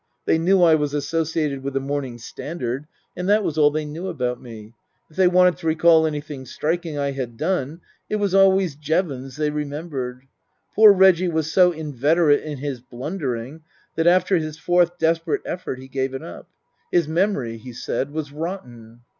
They knew I was associated with the Morning Standard, and that was all they knew about me ; if they wanted to recall anything striking I had done, it was always Jevons they remembered. Poor Reggie was so inveterate in his blundering that after his fourth desperate effort he gave it up. His memory, he said, was rotten.